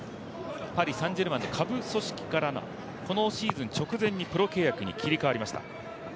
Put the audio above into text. パリ・サン＝ジェルマンの下部組織からこのシーズン直前にプロ契約に切り替わりました。